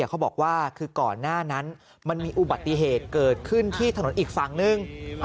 เขาบอกว่าคือก่อนหน้านั้นมันมีอุบัติเหตุเกิดขึ้นที่ถนนอีกฝั่งนึง